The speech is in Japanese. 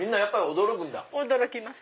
驚きます。